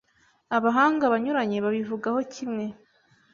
Abahanga banyuranye babivugaho kimwe